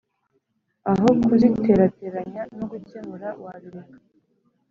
aho kuziterateranya no kugemura wabireka.